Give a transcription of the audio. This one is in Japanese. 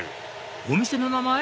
お店の名前？